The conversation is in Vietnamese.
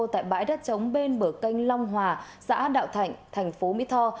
tại bãi đất chống bên bờ canh long hòa xã đạo thạnh thành phố mỹ tho